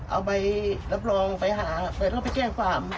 เอาใบรับรองไปหาเปิดแล้วไปแจ้งความ